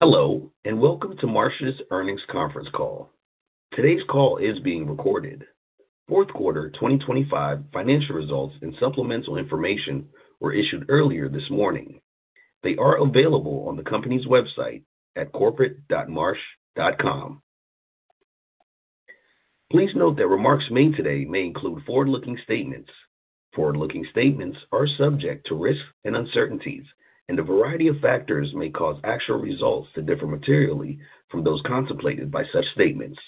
Hello, and welcome to Marsh's earnings conference call. Today's call is being recorded. Fourth quarter 2025 financial results and supplemental information were issued earlier this morning. They are available on the company's website at corporate.marsh.com. Please note that remarks made today may include forward-looking statements. Forward-looking statements are subject to risks and uncertainties, and a variety of factors may cause actual results to differ materially from those contemplated by such statements.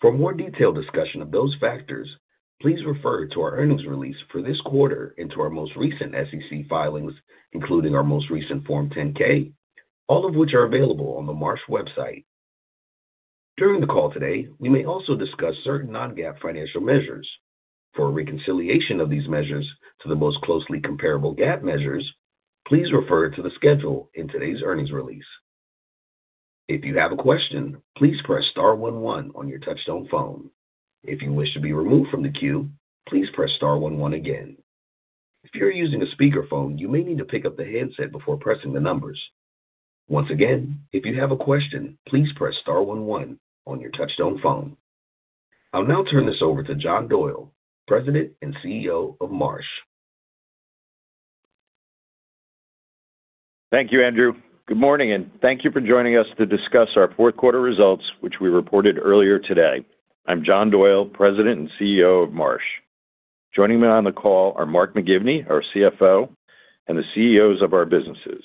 For more detailed discussion of those factors, please refer to our earnings release for this quarter and to our most recent SEC filings, including our most recent Form 10-K, all of which are available on the Marsh website. During the call today, we may also discuss certain non-GAAP financial measures. For a reconciliation of these measures to the most closely comparable GAAP measures, please refer to the schedule in today's earnings release. If you have a question, please press star one one on your touchtone phone. If you wish to be removed from the queue, please press star one one again. If you're using a speakerphone, you may need to pick up the handset before pressing the numbers. Once again, if you have a question, please press star one one on your touchtone phone. I'll now turn this over to John Doyle, President and CEO of Marsh. Thank you, Andrew. Good morning, and thank you for joining us to discuss our fourth quarter results, which we reported earlier today. I'm John Doyle, President and CEO of Marsh. Joining me on the call are Mark McGivney, our CFO, and the CEOs of our businesses,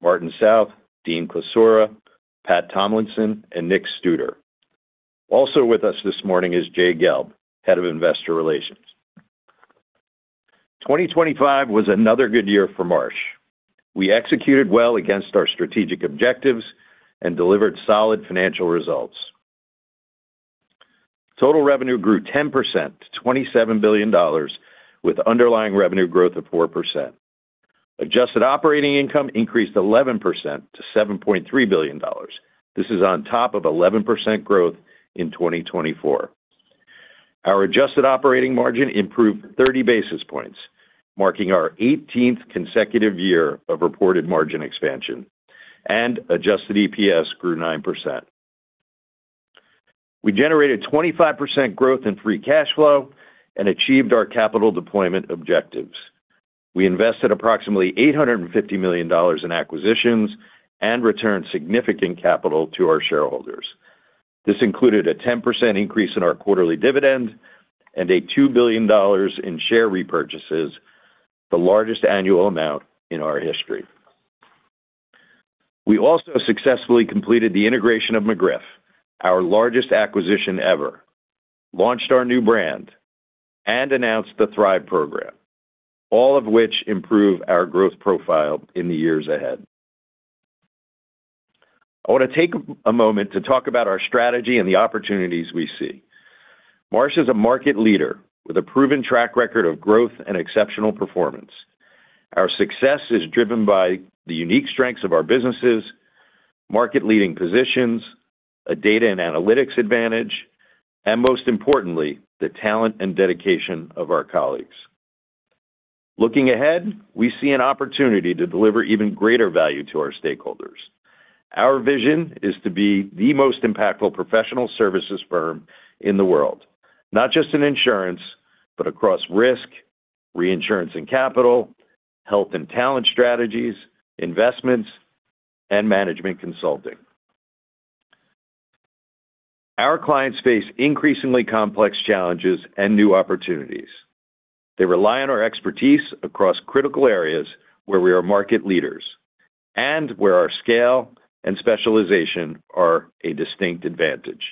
Martin South, Dean Klisura, Pat Tomlinson, and Nick Studer. Also with us this morning is Jay Gelb, Head of Investor Relations. 2025 was another good year for Marsh. We executed well against our strategic objectives and delivered solid financial results. Total revenue grew 10% to $27 billion, with underlying revenue growth of 4%. Adjusted operating income increased 11% to $7.3 billion. This is on top of 11% growth in 2024. Our adjusted operating margin improved 30 basis points, marking our 18th consecutive year of reported margin expansion, and adjusted EPS grew 9%. We generated 25% growth in free cash flow and achieved our capital deployment objectives. We invested approximately $850 million in acquisitions and returned significant capital to our shareholders. This included a 10% increase in our quarterly dividend and $2 billion in share repurchases, the largest annual amount in our history. We also successfully completed the integration of McGriff, our largest acquisition ever, launched our new brand, and announced the Thrive program, all of which improve our growth profile in the years ahead. I want to take a moment to talk about our strategy and the opportunities we see. Marsh is a market leader with a proven track record of growth and exceptional performance. Our success is driven by the unique strengths of our businesses, market-leading positions, a data and analytics advantage, and most importantly, the talent and dedication of our colleagues. Looking ahead, we see an opportunity to deliver even greater value to our stakeholders. Our vision is to be the most impactful professional services firm in the world, not just in insurance, but across risk, reinsurance and capital, health and talent strategies, investments, and management consulting. Our clients face increasingly complex challenges and new opportunities. They rely on our expertise across critical areas where we are market leaders and where our scale and specialization are a distinct advantage.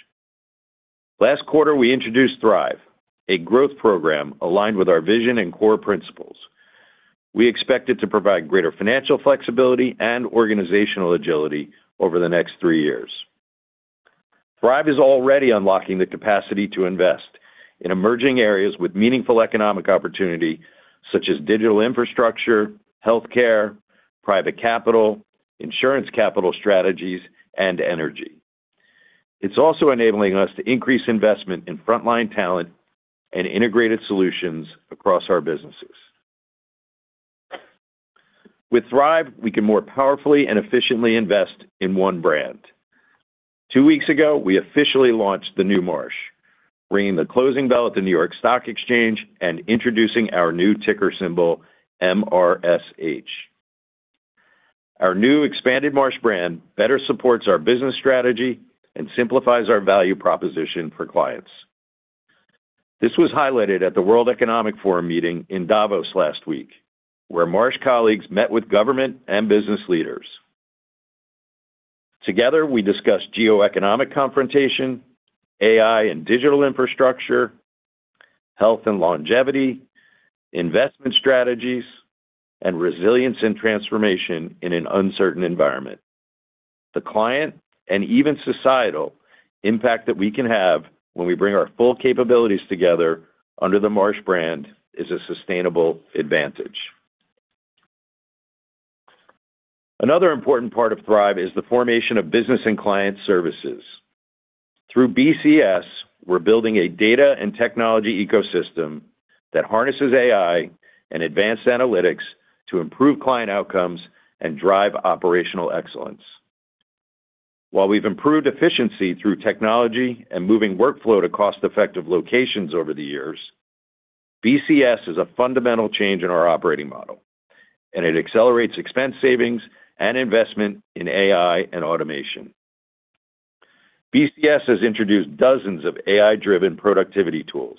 Last quarter, we introduced Thrive, a growth program aligned with our vision and core principles. We expect it to provide greater financial flexibility and organizational agility over the next three years. Thrive is already unlocking the capacity to invest in emerging areas with meaningful economic opportunity, such as digital infrastructure, healthcare, private capital, insurance capital strategies, and energy. It's also enabling us to increase investment in frontline talent and integrated solutions across our businesses. With Thrive, we can more powerfully and efficiently invest in one brand. Two weeks ago, we officially launched the new Marsh, ringing the closing bell at the New York Stock Exchange and introducing our new ticker symbol, MRSH. Our new expanded Marsh brand better supports our business strategy and simplifies our value proposition for clients. This was highlighted at the World Economic Forum meeting in Davos last week, where Marsh colleagues met with government and business leaders. Together, we discussed geoeconomic confrontation, AI and digital infrastructure, health and longevity, investment strategies, and resilience and transformation in an uncertain environment. The client and even societal impact that we can have when we bring our full capabilities together under the Marsh brand is a sustainable advantage. Another important part of Thrive is the formation of Business and Client Services. Through BCS, we're building a data and technology ecosystem that harnesses AI and advanced analytics to improve client outcomes and drive operational excellence. While we've improved efficiency through technology and moving workflow to cost-effective locations over the years, BCS is a fundamental change in our operating model, and it accelerates expense savings and investment in AI and automation. BCS has introduced dozens of AI-driven productivity tools,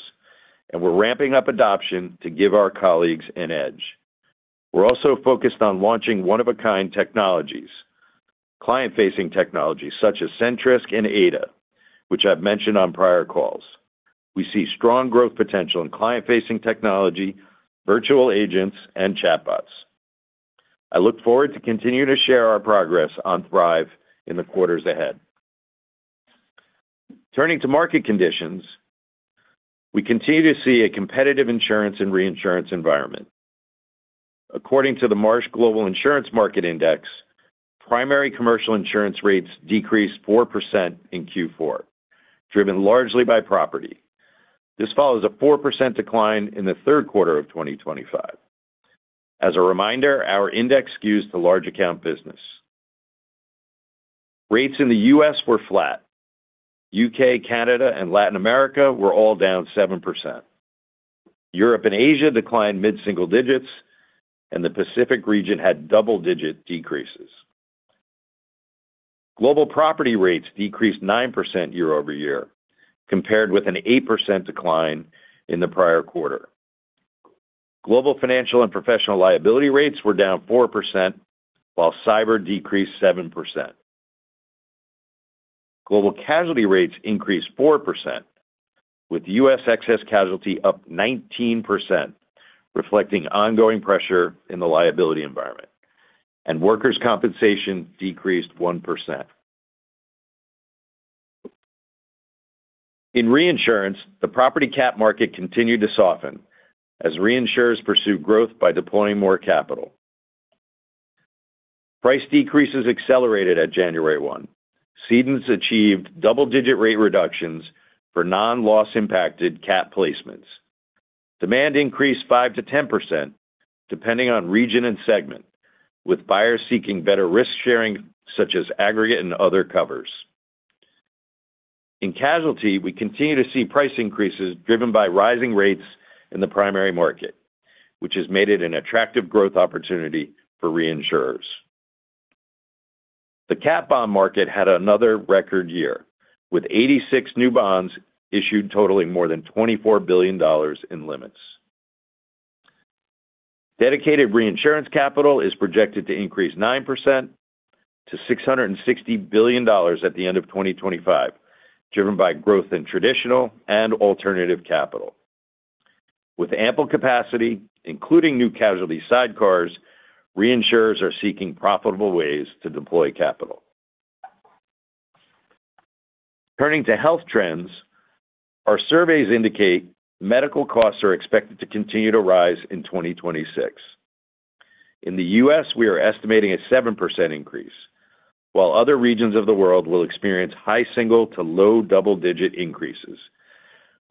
and we're ramping up adoption to give our colleagues an edge. We're also focused on launching one-of-a-kind technologies, client-facing technologies such as Sentrisk and Aida, which I've mentioned on prior calls. We see strong growth potential in client-facing technology, virtual agents, and chatbots. I look forward to continuing to share our progress on Thrive in the quarters ahead. Turning to market conditions, we continue to see a competitive insurance and reinsurance environment. According to the Marsh Global Insurance Market Index, primary commercial insurance rates decreased 4% in Q4, driven largely by property. This follows a 4% decline in the third quarter of 2025. As a reminder, our index skews to large account business. Rates in the U.S. were flat. U.K., Canada, and Latin America were all down 7%. Europe and Asia declined mid-single digits, and the Pacific region had double-digit decreases. Global property rates decreased 9% year-over-year, compared with an 8% decline in the prior quarter. Global financial and professional liability rates were down 4%, while cyber decreased 7%. Global casualty rates increased 4%, with U.S. excess casualty up 19%, reflecting ongoing pressure in the liability environment, and workers' compensation decreased 1%. In reinsurance, the property cat market continued to soften as reinsurers pursue growth by deploying more capital. Price decreases accelerated at January 1. Cedents achieved double-digit rate reductions for non-loss-impacted cat placements. Demand increased 5%-10%, depending on region and segment, with buyers seeking better risk sharing, such as aggregate and other covers. In casualty, we continue to see price increases driven by rising rates in the primary market, which has made it an attractive growth opportunity for reinsurers. The cat bond market had another record year, with 86 new bonds issued, totaling more than $24 billion in limits. Dedicated reinsurance capital is projected to increase 9% to $660 billion at the end of 2025, driven by growth in traditional and alternative capital. With ample capacity, including new casualty sidecars, reinsurers are seeking profitable ways to deploy capital. Turning to health trends, our surveys indicate medical costs are expected to continue to rise in 2026. In the U.S., we are estimating a 7% increase, while other regions of the world will experience high single-digit to low double-digit increases.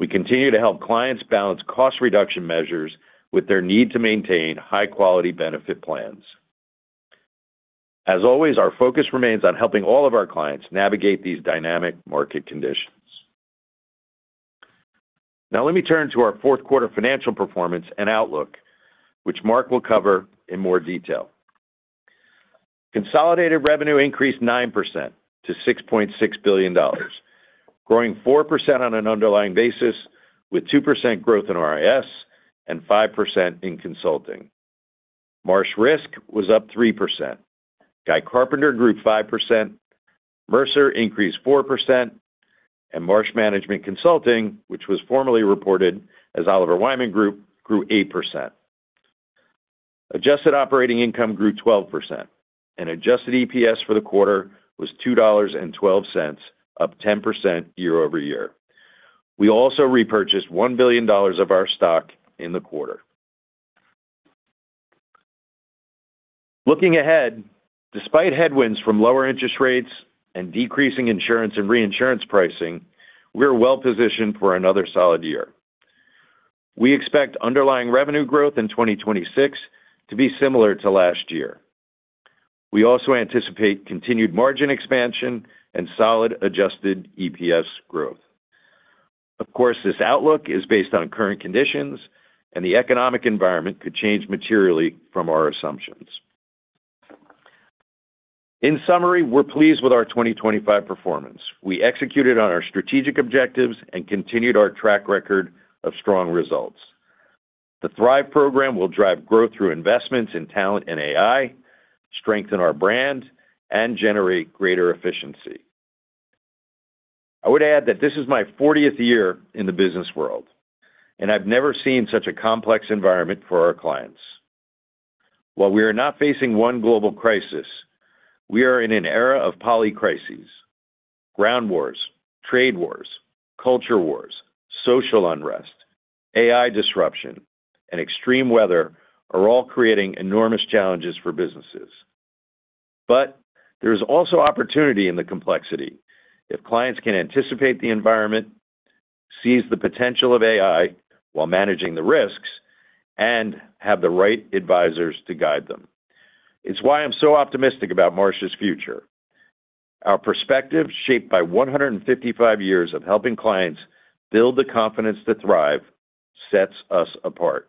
We continue to help clients balance cost reduction measures with their need to maintain high-quality benefit plans. As always, our focus remains on helping all of our clients navigate these dynamic market conditions. Now, let me turn to our fourth quarter financial performance and outlook, which Mark will cover in more detail. Consolidated revenue increased 9% to $6.6 billion, growing 4% on an underlying basis, with 2% growth in RIS and 5% in consulting. Marsh Risk was up 3%, Guy Carpenter grew 5%, Mercer increased 4%, and Marsh Management Consulting, which was formerly reported as Oliver Wyman Group, grew 8%. Adjusted operating income grew 12%, and adjusted EPS for the quarter was $2.12, up 10% year-over-year. We also repurchased $1 billion of our stock in the quarter. Looking ahead, despite headwinds from lower interest rates and decreasing insurance and reinsurance pricing, we're well-positioned for another solid year. We expect underlying revenue growth in 2026 to be similar to last year. We also anticipate continued margin expansion and solid adjusted EPS growth. Of course, this outlook is based on current conditions, and the economic environment could change materially from our assumptions. In summary, we're pleased with our 2025 performance. We executed on our strategic objectives and continued our track record of strong results. The Thrive program will drive growth through investments in talent and AI, strengthen our brand, and generate greater efficiency. I would add that this is my fortieth year in the business world, and I've never seen such a complex environment for our clients. While we are not facing one global crisis, we are in an era of polycrises. Ground wars, trade wars, culture wars, social unrest, AI disruption, and extreme weather are all creating enormous challenges for businesses. But there is also opportunity in the complexity. If clients can anticipate the environment, seize the potential of AI while managing the risks, and have the right advisors to guide them. It's why I'm so optimistic about Marsh's future. Our perspective, shaped by 155 years of helping clients build the confidence to thrive, sets us apart.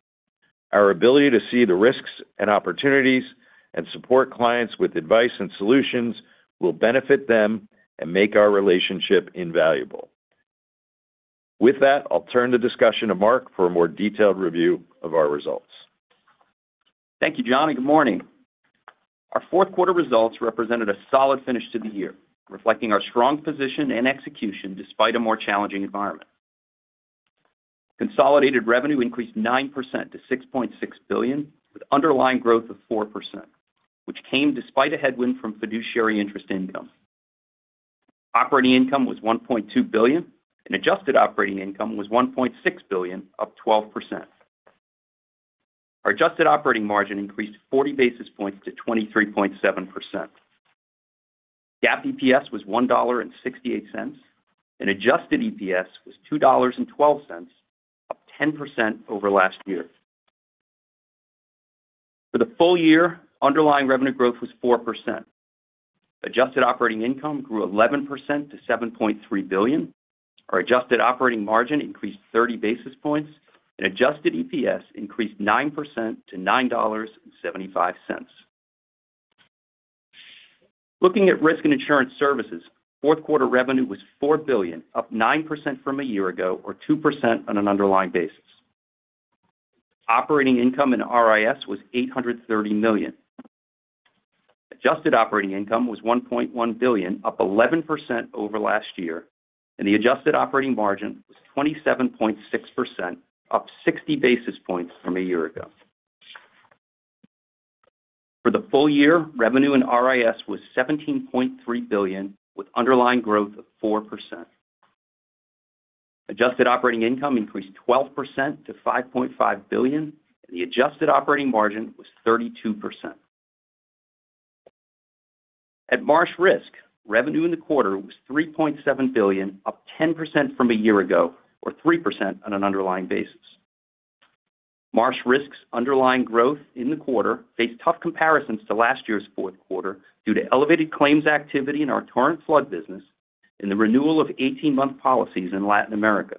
Our ability to see the risks and opportunities and support clients with advice and solutions will benefit them and make our relationship invaluable. With that, I'll turn the discussion to Mark for a more detailed review of our results. Thank you, John, and good morning. Our fourth quarter results represented a solid finish to the year, reflecting our strong position and execution despite a more challenging environment. Consolidated revenue increased 9% to $6.6 billion, with underlying growth of 4%, which came despite a headwind from fiduciary interest income. Operating income was $1.2 billion, and adjusted operating income was $1.6 billion, up 12%. Our adjusted operating margin increased 40 basis points to 23.7%. GAAP EPS was $1.68, and adjusted EPS was $2.12, up 10% over last year. For the full year, underlying revenue growth was 4%. Adjusted operating income grew 11% to $7.3 billion. Our adjusted operating margin increased 30 basis points, and adjusted EPS increased 9% to $9.75. Looking at risk and insurance services, fourth quarter revenue was $4 billion, up 9% from a year ago, or 2% on an underlying basis. Operating income in RIS was $830 million. Adjusted operating income was $1.1 billion, up 11% over last year, and the adjusted operating margin was 27.6%, up 60 basis points from a year ago. For the full year, revenue in RIS was $17.3 billion, with underlying growth of 4%. Adjusted operating income increased 12% to $5.5 billion, and the adjusted operating margin was 32%. At Marsh Risk, revenue in the quarter was $3.7 billion, up 10% from a year ago, or 3% on an underlying basis. Marsh Risk's underlying growth in the quarter faced tough comparisons to last year's fourth quarter due to elevated claims activity in our Torrent flood business and the renewal of 18-month policies in Latin America.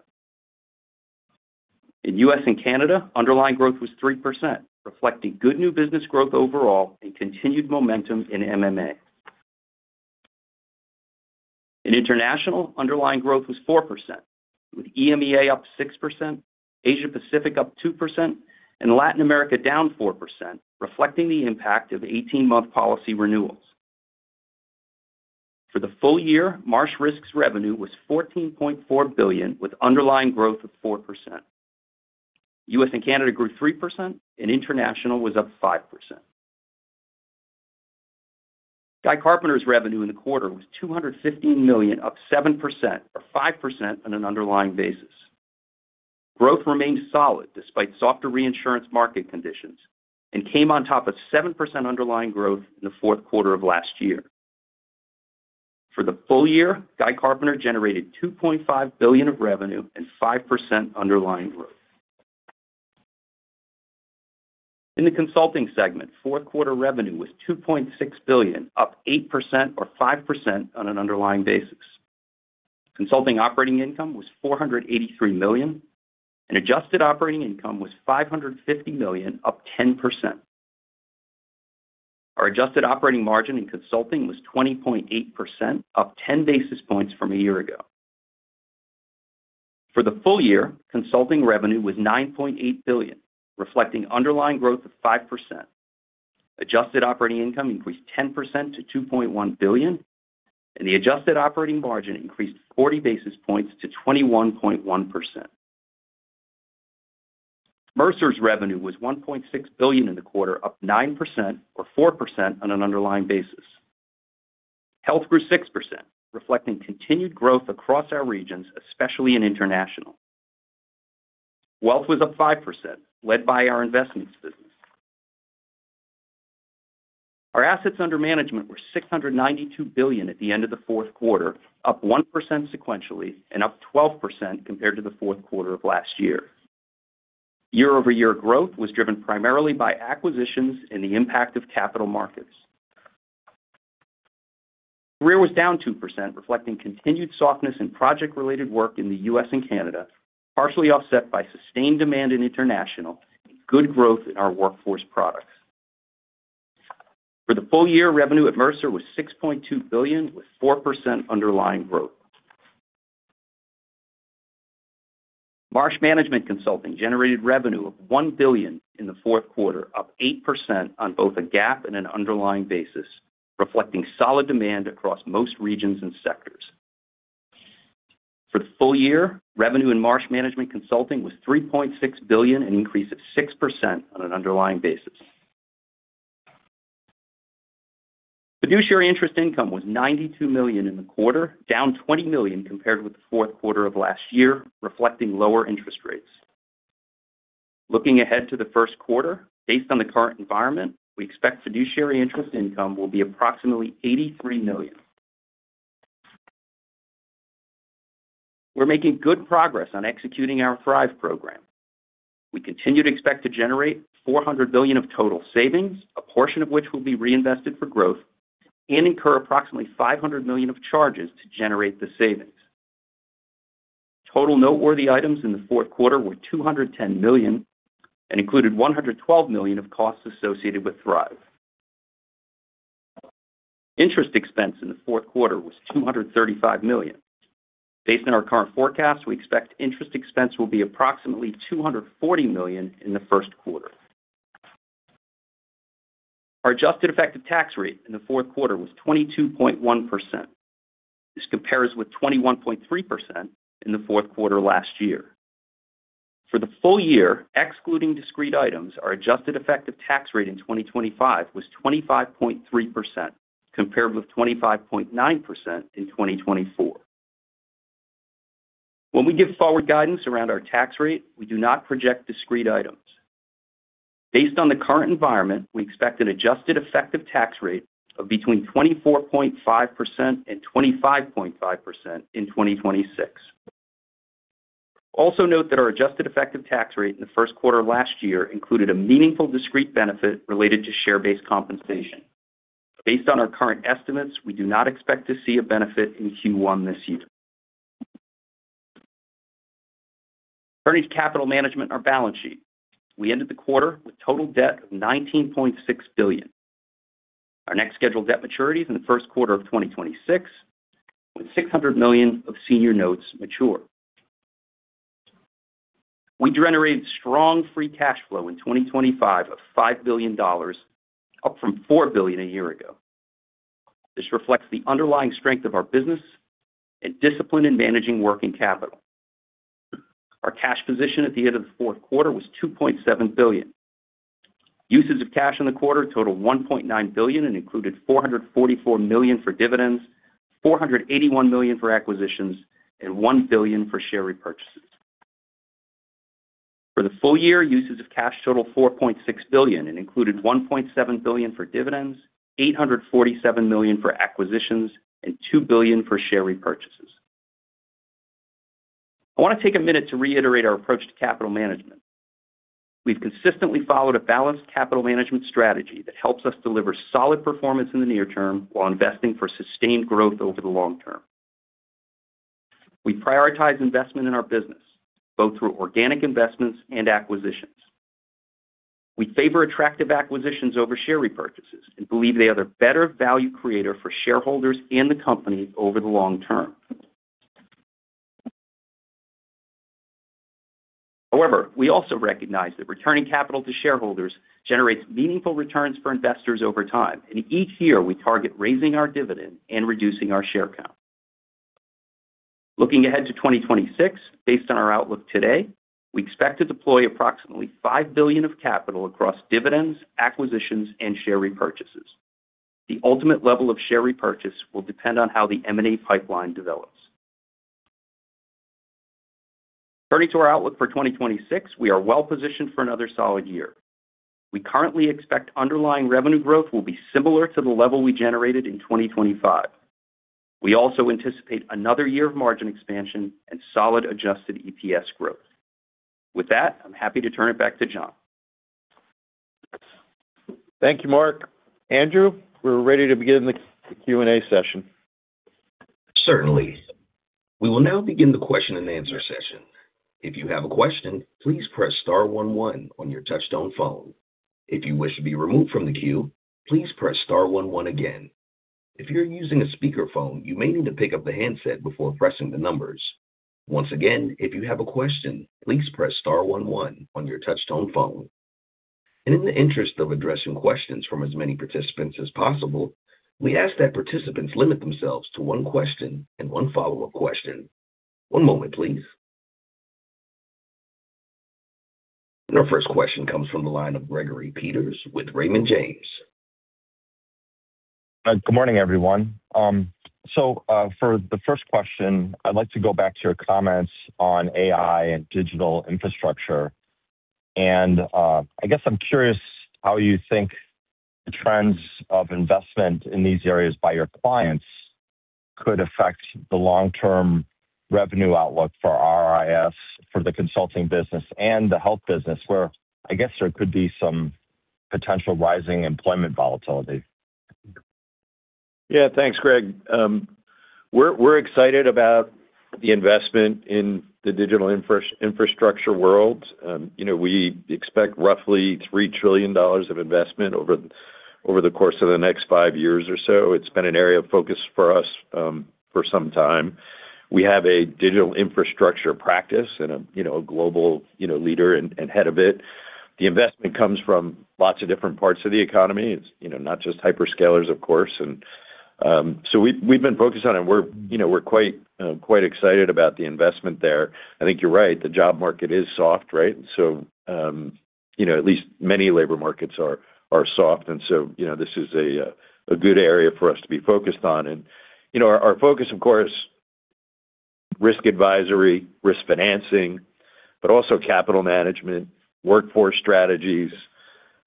In U.S. and Canada, underlying growth was 3%, reflecting good new business growth overall and continued momentum in MMA. In international, underlying growth was 4%, with EMEA up 6%, Asia Pacific up 2%, and Latin America down 4%, reflecting the impact of 18-month policy renewals. For the full year, Marsh Risk's revenue was $14.4 billion, with underlying growth of 4%. U.S. and Canada grew 3%, and international was up 5%. Guy Carpenter's revenue in the quarter was $215 million, up 7%, or 5% on an underlying basis. Growth remained solid despite softer reinsurance market conditions and came on top of 7% underlying growth in the fourth quarter of last year. For the full year, Guy Carpenter generated $2.5 billion of revenue and 5% underlying growth. In the consulting segment, fourth quarter revenue was $2.6 billion, up 8% or 5% on an underlying basis. Consulting operating income was $483 million, and adjusted operating income was $550 million, up 10%. Our adjusted operating margin in consulting was 20.8%, up 10 basis points from a year ago. For the full year, consulting revenue was $9.8 billion, reflecting underlying growth of 5%. Adjusted operating income increased 10% to $2.1 billion, and the adjusted operating margin increased 40 basis points to 21.1%. Mercer's revenue was $1.6 billion in the quarter, up 9% or 4% on an underlying basis. Health grew 6%, reflecting continued growth across our regions, especially in international. Wealth was up 5%, led by our investments business. Our assets under management were $692 billion at the end of the fourth quarter, up 1% sequentially and up 12% compared to the fourth quarter of last year. Year-over-year growth was driven primarily by acquisitions and the impact of capital markets. Career was down 2%, reflecting continued softness in project-related work in the U.S. and Canada, partially offset by sustained demand in international and good growth in our workforce products. For the full year, revenue at Mercer was $6.2 billion, with 4% underlying growth. Marsh Management Consulting generated revenue of $1 billion in the fourth quarter, up 8% on both a GAAP and an underlying basis, reflecting solid demand across most regions and sectors. For the full year, revenue in Marsh Management Consulting was $3.6 billion, an increase of 6% on an underlying basis. Fiduciary interest income was $92 million in the quarter, down $20 million compared with the fourth quarter of last year, reflecting lower interest rates. Looking ahead to the first quarter, based on the current environment, we expect fiduciary interest income will be approximately $83 million. We're making good progress on executing our Thrive program. We continue to expect to generate $400 billion of total savings, a portion of which will be reinvested for growth, and incur approximately $500 million of charges to generate the savings. Total noteworthy items in the fourth quarter were $210 million, and included $112 million of costs associated with Thrive. Interest expense in the fourth quarter was $235 million. Based on our current forecast, we expect interest expense will be approximately $240 million in the first quarter. Our adjusted effective tax rate in the fourth quarter was 22.1%. This compares with 21.3% in the fourth quarter last year. For the full year, excluding discrete items, our adjusted effective tax rate in 2025 was 25.3%, compared with 25.9% in 2024. When we give forward guidance around our tax rate, we do not project discrete items. Based on the current environment, we expect an adjusted effective tax rate of between 24.5% and 25.5% in 2026. Also note that our adjusted effective tax rate in the first quarter of last year included a meaningful discrete benefit related to share-based compensation. Based on our current estimates, we do not expect to see a benefit in Q1 this year. Turning to capital management and our balance sheet. We ended the quarter with total debt of $19.6 billion. Our next scheduled debt maturity is in the first quarter of 2026, when $600 million of senior notes mature. We generated strong free cash flow in 2025 of $5 billion, up from $4 billion a year ago. This reflects the underlying strength of our business and discipline in managing working capital. Our cash position at the end of the fourth quarter was $2.7 billion. Uses of cash in the quarter totaled $1.9 billion and included $444 million for dividends, $481 million for acquisitions, and $1 billion for share repurchases. For the full year, uses of cash totaled $4.6 billion and included $1.7 billion for dividends, $847 million for acquisitions, and $2 billion for share repurchases. I want to take a minute to reiterate our approach to capital management. We've consistently followed a balanced capital management strategy that helps us deliver solid performance in the near term while investing for sustained growth over the long term. We prioritize investment in our business, both through organic investments and acquisitions. We favor attractive acquisitions over share repurchases and believe they are the better value creator for shareholders and the company over the long term. However, we also recognize that returning capital to shareholders generates meaningful returns for investors over time, and each year we target raising our dividend and reducing our share count. Looking ahead to 2026, based on our outlook today, we expect to deploy approximately $5 billion of capital across dividends, acquisitions, and share repurchases. The ultimate level of share repurchase will depend on how the M&A pipeline develops. Turning to our outlook for 2026, we are well positioned for another solid year. We currently expect underlying revenue growth will be similar to the level we generated in 2025. We also anticipate another year of margin expansion and solid adjusted EPS growth. With that, I'm happy to turn it back to John. Thank you, Mark. Andrew, we're ready to begin the Q&A session. Certainly. We will now begin the question-and-answer session. If you have a question, please press star one one on your touchtone phone. If you wish to be removed from the queue, please press star one one again. If you're using a speakerphone, you may need to pick up the handset before pressing the numbers. Once again, if you have a question, please press star one one on your touchtone phone. In the interest of addressing questions from as many participants as possible, we ask that participants limit themselves to one question and one follow-up question. One moment, please. Our first question comes from the line of Gregory Peters with Raymond James. Good morning, everyone. So, for the first question, I'd like to go back to your comments on AI and digital infrastructure. I guess I'm curious how you think the trends of investment in these areas by your clients could affect the long-term revenue outlook for RIS, for the consulting business and the health business, where I guess there could be some potential rising employment volatility? Yeah. Thanks, Greg. We're excited about the investment in the digital infrastructure world. You know, we expect roughly $3 trillion of investment over the course of the next 5 years or so. It's been an area of focus for us for some time. We have a digital infrastructure practice and a global leader and head of it. The investment comes from lots of different parts of the economy. It's, you know, not just hyperscalers, of course. And so we've been focused on it. We're quite excited about the investment there. I think you're right, the job market is soft, right? So you know, at least many labor markets are soft, and so you know, this is a good area for us to be focused on. And, you know, our focus, of course, risk advisory, risk financing, but also capital management, workforce strategies,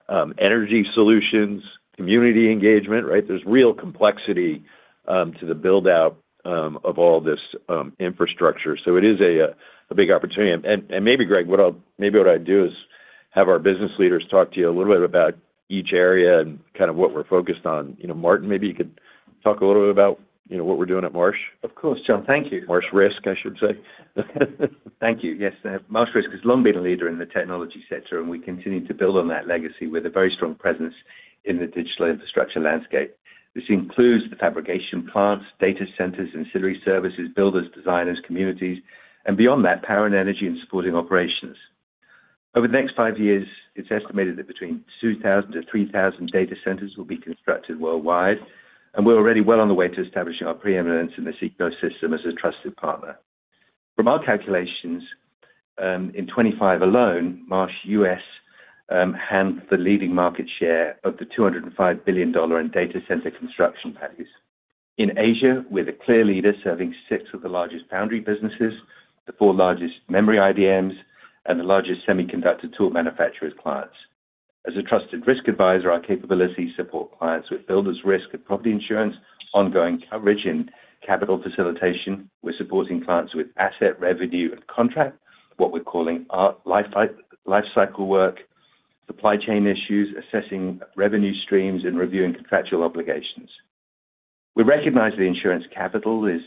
energy solutions, community engagement, right? There's real complexity to the build-out of all this infrastructure. So it is a big opportunity. And maybe Greg, what I'll, maybe what I'd do is have our business leaders talk to you a little bit about each area and kind of what we're focused on. You know, Martin, maybe you could talk a little bit about, you know, what we're doing at Marsh? Of course, John. Thank you. Marsh Risk, I should say. Thank you. Yes, Marsh Risk has long been a leader in the technology sector, and we continue to build on that legacy with a very strong presence in the digital infrastructure landscape. This includes the fabrication plants, data centers, ancillary services, builders, designers, communities, and beyond that, power and energy and supporting operations. Over the next five years, it's estimated that between 2,000-3,000 data centers will be constructed worldwide, and we're already well on the way to establishing our preeminence in this ecosystem as a trusted partner. From our calculations, in 2025 alone, Marsh U.S. handled the leading market share of the $205 billion in data center construction values. In Asia, we're the clear leader, serving six of the largest foundry businesses, the four largest memory IDMs, and the largest semiconductor tool manufacturers clients. As a trusted risk advisor, our capabilities support clients with Builders Risk and property insurance, ongoing coverage, and capital facilitation. We're supporting clients with asset revenue and contract, what we're calling our lifecycle work, supply chain issues, assessing revenue streams, and reviewing contractual obligations. We recognize the insurance capital is,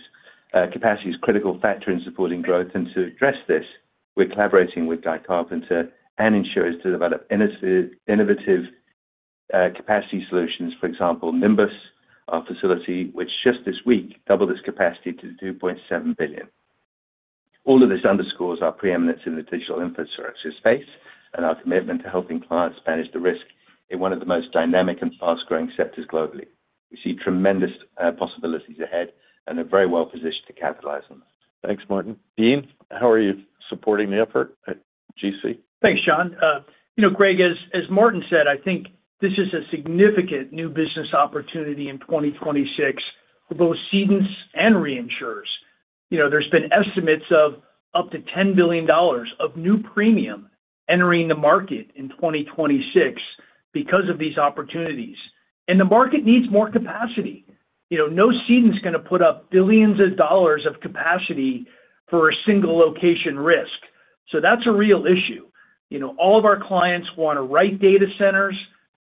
capacity is critical factor in supporting growth, and to address this, we're collaborating with Guy Carpenter and insurers to develop innovative, capacity solutions. For example, Nimbus, our facility, which just this week doubled its capacity to $2.7 billion. All of this underscores our preeminence in the digital infrastructure space, and our commitment to helping clients manage the risk in one of the most dynamic and fast-growing sectors globally. We see tremendous possibilities ahead and are very well positioned to capitalize on them. Thanks, Martin. Dean, how are you supporting the effort at GC? Thanks, John. You know, Greg, as Martin said, I think this is a significant new business opportunity in 2026 for both cedents and reinsurers. You know, there's been estimates of up to $10 billion of new premium entering the market in 2026 because of these opportunities. And the market needs more capacity. You know, no cedent's gonna put up billions of dollars of capacity for a single location risk. So that's a real issue. You know, all of our clients wanna write data centers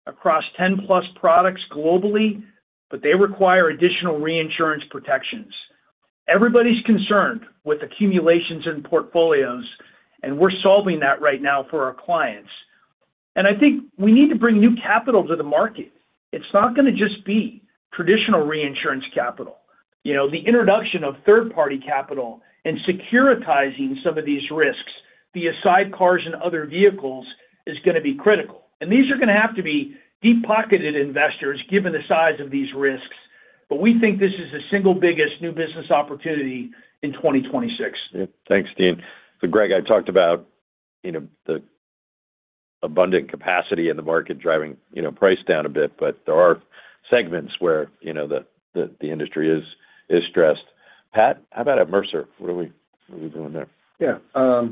across 10+ products globally, but they require additional reinsurance protections. Everybody's concerned with accumulations in portfolios, and we're solving that right now for our clients. And I think we need to bring new capital to the market. It's not gonna just be traditional reinsurance capital. You know, the introduction of third-party capital and securitizing some of these risks via sidecars and other vehicles is gonna be critical. And these are gonna have to be deep-pocketed investors, given the size of these risks. But we think this is the single biggest new business opportunity in 2026. Yeah. Thanks, Dean. So Greg, I talked about, you know, the abundant capacity in the market driving, you know, price down a bit, but there are segments where, you know, the industry is stressed. Pat, how about at Mercer? What are we doing there? Yeah.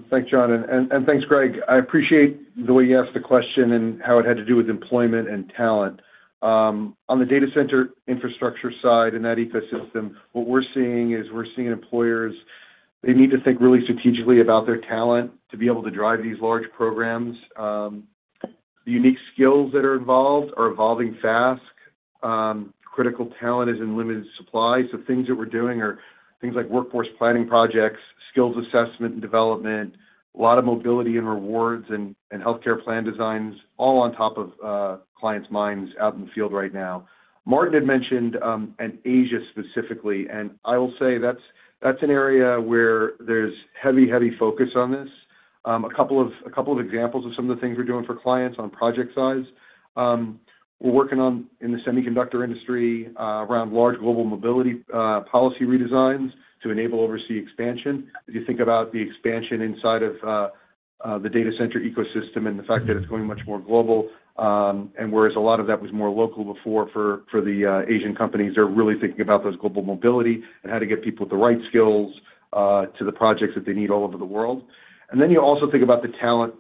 Thanks, John, and thanks, Greg. I appreciate the way you asked the question and how it had to do with employment and talent. On the data center infrastructure side, in that ecosystem, what we're seeing is we're seeing employers, they need to think really strategically about their talent to be able to drive these large programs. The unique skills that are involved are evolving fast. Critical talent is in limited supply, so things that we're doing are things like workforce planning projects, skills assessment and development, a lot of mobility and rewards and healthcare plan designs, all on top of clients' minds out in the field right now. Martin had mentioned and Asia specifically, and I will say that's an area where there's heavy, heavy focus on this. A couple of examples of some of the things we're doing for clients on project size. We're working on in the semiconductor industry around large global mobility policy redesigns to enable overseas expansion. As you think about the expansion inside of the data center ecosystem and the fact that it's going much more global, and whereas a lot of that was more local before for the Asian companies, they're really thinking about those global mobility and how to get people with the right skills to the projects that they need all over the world. And then you also think about the talent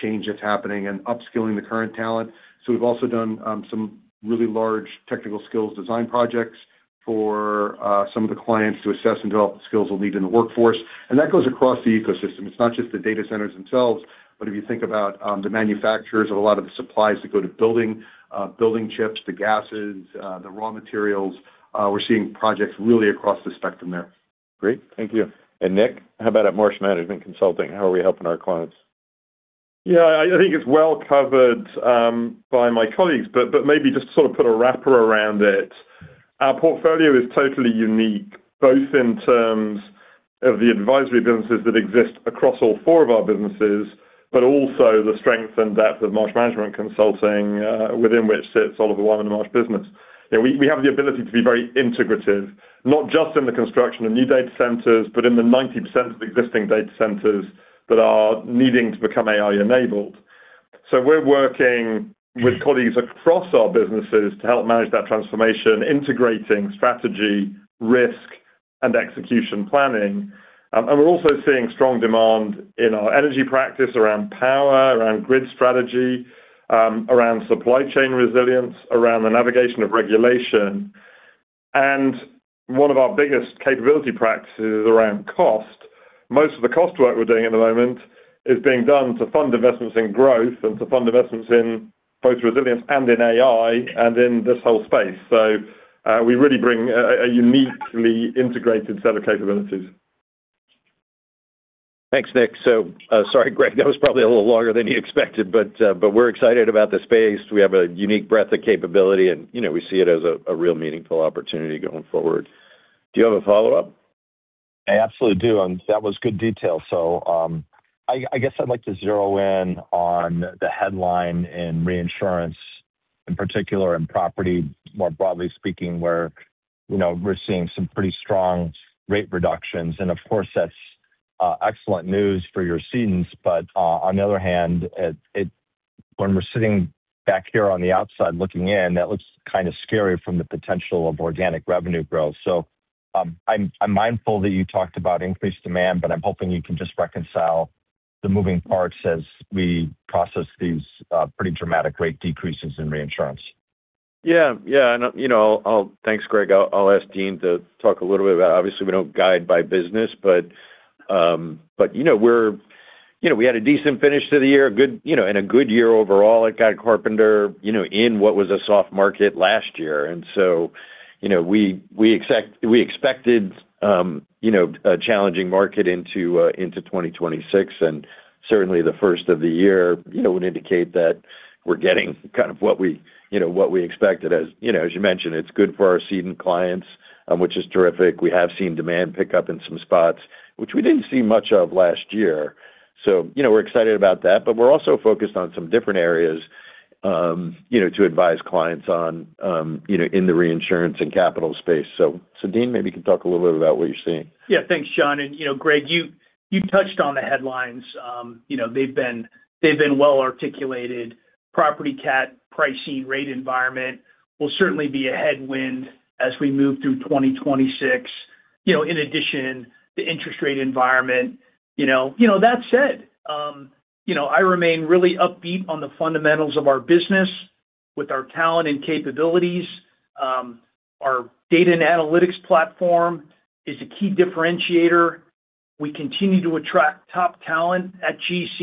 change that's happening and upskilling the current talent. So we've also done some really large technical skills design projects for some of the clients to assess and develop the skills we'll need in the workforce. And that goes across the ecosystem. It's not just the data centers themselves, but if you think about the manufacturers and a lot of the suppliers that go to building chips, the gases, the raw materials, we're seeing projects really across the spectrum there. Great. Thank you. And Nick, how about at Marsh Management Consulting? How are we helping our clients? Yeah, I think it's well covered by my colleagues, but maybe just to sort of put a wrapper around it, our portfolio is totally unique, both in terms of the advisory businesses that exist across all four of our businesses, but also the strength and depth of Marsh Management Consulting, within which sits all of the Marsh business. You know, we have the ability to be very integrative, not just in the construction of new data centers, but in the 90% of existing data centers that are needing to become AI-enabled.... So we're working with colleagues across our businesses to help manage that transformation, integrating strategy, risk, and execution planning. And we're also seeing strong demand in our energy practice around power, around grid strategy, around supply chain resilience, around the navigation of regulation. And one of our biggest capability practices is around cost. Most of the cost work we're doing at the moment is being done to fund investments in growth and to fund investments in both resilience and in AI and in this whole space. So, we really bring a uniquely integrated set of capabilities. Thanks, Nick. So, sorry, Greg, that was probably a little longer than you expected, but, but we're excited about the space. We have a unique breadth of capability, and, you know, we see it as a, a real meaningful opportunity going forward. Do you have a follow-up? I absolutely do, and that was good detail. So, I guess I'd like to zero in on the headline in reinsurance, in particular, in property, more broadly speaking, where, you know, we're seeing some pretty strong rate reductions. And of course, that's excellent news for your cedents, but on the other hand, it—when we're sitting back here on the outside looking in, that looks kind of scary from the potential of organic revenue growth. So, I'm mindful that you talked about increased demand, but I'm hoping you can just reconcile the moving parts as we process these pretty dramatic rate decreases in reinsurance. Yeah. Yeah, and, you know, I'll—thanks, Greg. I'll ask Dean to talk a little bit about... Obviously, we don't guide by business, but, but, you know, we're, you know, we had a decent finish to the year, a good, you know, and a good year overall at Guy Carpenter, you know, in what was a soft market last year. And so, you know, we expected, you know, a challenging market into 2026, and certainly the first of the year, you know, would indicate that we're getting kind of what we, you know, what we expected. As, you know, as you mentioned, it's good for our cedant clients, which is terrific. We have seen demand pick up in some spots, which we didn't see much of last year. You know, we're excited about that, but we're also focused on some different areas, you know, to advise clients on, you know, in the reinsurance and capital space. So, Dean, maybe you can talk a little bit about what you're seeing. Yeah. Thanks, Sean. And, you know, Greg, you touched on the headlines. You know, they've been well articulated. Property cat pricing rate environment will certainly be a headwind as we move through 2026, you know, in addition, the interest rate environment, you know. You know, that said, you know, I remain really upbeat on the fundamentals of our business with our talent and capabilities. Our data and analytics platform is a key differentiator. We continue to attract top talent at GC.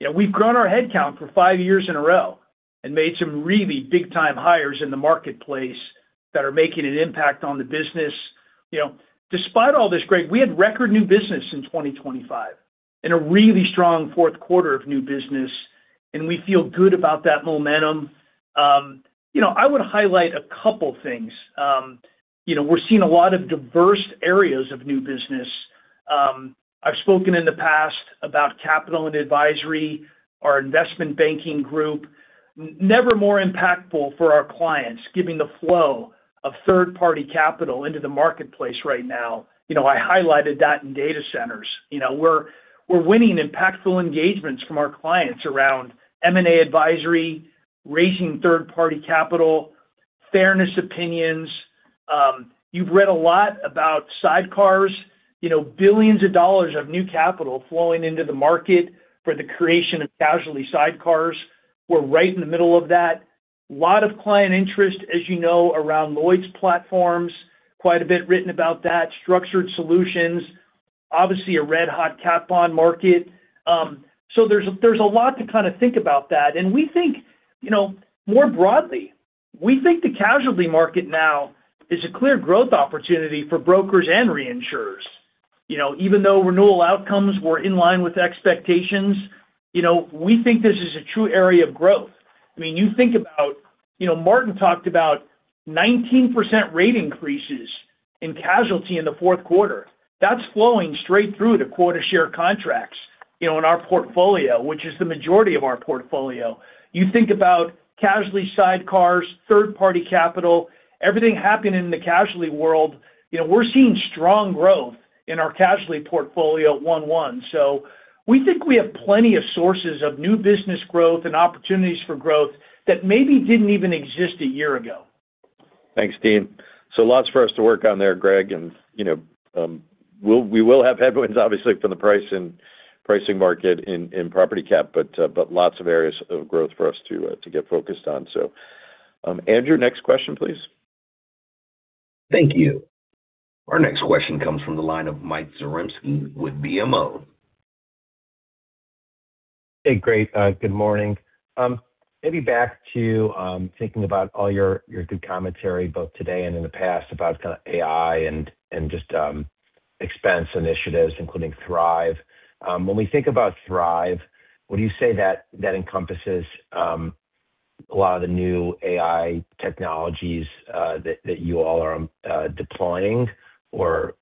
You know, we've grown our headcount for five years in a row and made some really big time hires in the marketplace that are making an impact on the business. You know, despite all this, Greg, we had record new business in 2025 and a really strong fourth quarter of new business, and we feel good about that momentum. You know, I would highlight a couple things. You know, we're seeing a lot of diverse areas of new business. I've spoken in the past about capital and advisory, our investment banking group, never more impactful for our clients, giving the flow of third-party capital into the marketplace right now. You know, I highlighted that in data centers. You know, we're winning impactful engagements from our clients around M&A advisory, raising third-party capital, fairness opinions. You've read a lot about sidecars, you know, billions of dollars of new capital flowing into the market for the creation of casualty sidecars. We're right in the middle of that. Lot of client interest, as you know, around Lloyd's platforms, quite a bit written about that. Structured solutions, obviously, a red hot cat bond market. So there's a lot to kind of think about that, and we think, you know, more broadly, we think the casualty market now is a clear growth opportunity for brokers and reinsurers. You know, even though renewal outcomes were in line with expectations, you know, we think this is a true area of growth. I mean, you think about, you know, Martin talked about 19% rate increases in casualty in the fourth quarter. That's flowing straight through to quota share contracts, you know, in our portfolio, which is the majority of our portfolio. You think about casualty sidecars, third-party capital, everything happening in the casualty world, you know, we're seeing strong growth in our casualty portfolio one, one. So we think we have plenty of sources of new business growth and opportunities for growth that maybe didn't even exist a year ago. Thanks, Dean. So lots for us to work on there, Greg, and, you know, we will have headwinds, obviously, from the price and pricing market in property cat, but lots of areas of growth for us to get focused on. So, Andrew, next question, please. Thank you. Our next question comes from the line of Mike Zaremski with BMO. Hey, great, good morning. Maybe back to thinking about all your good commentary, both today and in the past, about kind of AI and just expense initiatives, including Thrive. When we think about Thrive, would you say that that encompasses a lot of the new AI technologies that that you all are deploying? Or,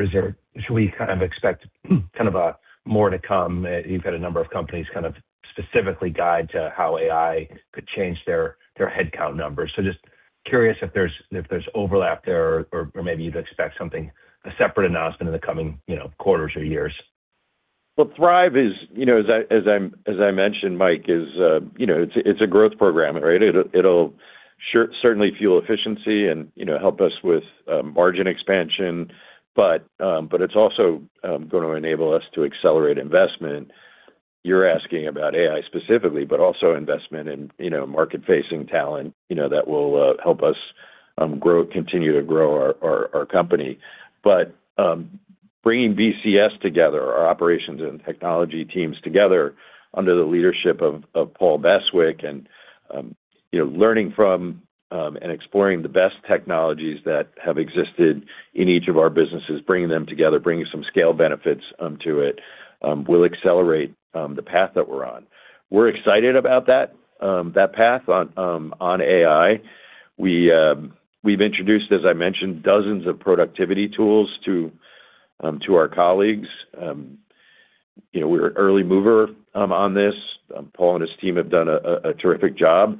is there - should we kind of expect, kind of a more to come? You've had a number of companies kind of specifically guide to how AI could change their headcount numbers. So just curious if there's overlap there, or maybe you'd expect something, a separate announcement in the coming, you know, quarters or years.... Well, Thrive is, you know, as I mentioned, Mike, you know, it's a growth program, right? It'll certainly fuel efficiency and, you know, help us with margin expansion. But it's also going to enable us to accelerate investment. You're asking about AI specifically, but also investment in, you know, market-facing talent, you know, that will help us continue to grow our company. But bringing BCS together, our operations and technology teams together under the leadership of Paul Beswick, and you know, learning from and exploring the best technologies that have existed in each of our businesses, bringing them together, bringing some scale benefits to it will accelerate the path that we're on. We're excited about that path on AI. We've introduced, as I mentioned, dozens of productivity tools to our colleagues. You know, we're an early mover on this. Paul and his team have done a terrific job.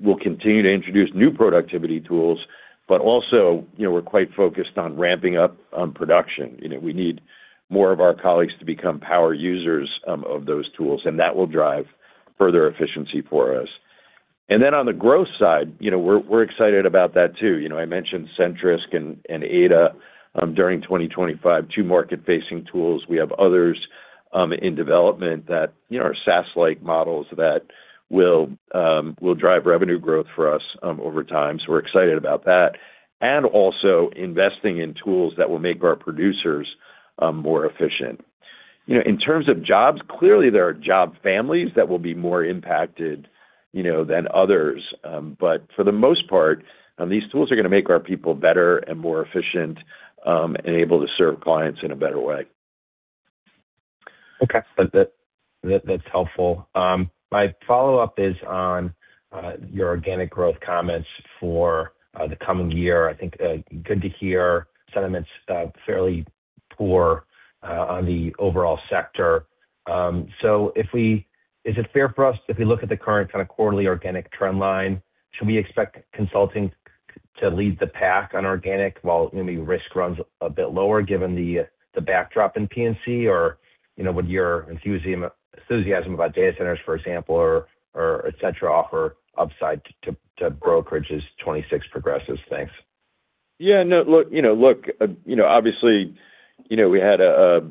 We'll continue to introduce new productivity tools, but also, you know, we're quite focused on ramping up on production. You know, we need more of our colleagues to become power users of those tools, and that will drive further efficiency for us. And then on the growth side, you know, we're excited about that, too. You know, I mentioned Sentrisk and Aida during 2025, two market-facing tools. We have others in development that, you know, are SaaS-like models that will drive revenue growth for us over time. So we're excited about that, and also investing in tools that will make our producers more efficient. You know, in terms of jobs, clearly, there are job families that will be more impacted, you know, than others. But for the most part, these tools are going to make our people better and more efficient, and able to serve clients in a better way. Okay. That that's helpful. My follow-up is on your organic growth comments for the coming year. I think good to hear sentiments fairly poor on the overall sector. So, is it fair for us if we look at the current kind of quarterly organic trend line, should we expect consulting to lead the pack on organic while maybe risk runs a bit lower, given the backdrop in P&C? Or, you know, would your enthusiasm about data centers, for example, or et cetera, offer upside to brokerage's 2026 progresses? Thanks. Yeah, no, look, you know, look, you know, obviously, you know, we had a